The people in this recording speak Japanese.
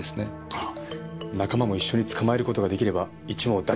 ああ仲間も一緒に捕まえる事が出来れば一網打尽ですね。